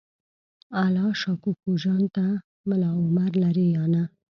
الله شا کوکو جان ته ملا عمر لرې یا نه؟